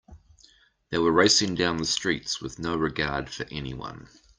They were racing down the streets with no regard for anyone.